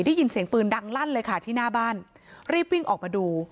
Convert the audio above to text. ได้ยินเสียงปืนดังลั่นเลยค่ะที่หน้าบ้านรีบวิ่งออกมาดู